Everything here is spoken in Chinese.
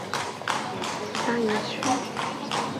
北接番禺区。